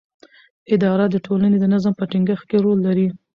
اداره د ټولنې د نظم په ټینګښت کې رول لري.